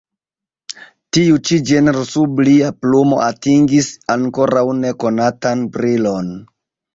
Tiu ĉi ĝenro sub lia plumo atingis ankoraŭ ne konatan brilon.